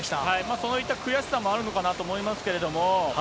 そういった悔しさもあるのかなと思いますけど。